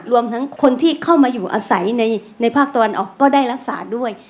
รวมทั้งคนที่เข้ามาอยู่อาศัยในภาคตะวันออกก็ได้รักษาด้วย